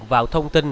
vào thông tin